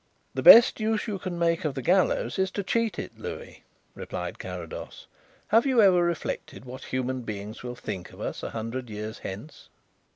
"The best use you can make of the gallows is to cheat it, Louis," replied Carrados. "Have you ever reflected what human beings will think of us a hundred years hence?"